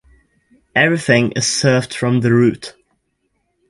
Everything is served from the root